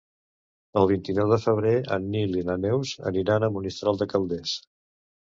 El vint-i-nou de febrer en Nil i na Neus aniran a Monistrol de Calders.